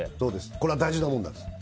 これは大事なものなんです。